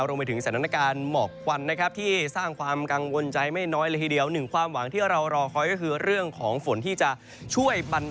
ลงไปถึงสถานการณ์เหมอกวันนะครับที่สร้างความกังวลใจไม่น้อยเลยทีเดียว